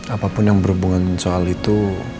apapun yang berhubungan soal itu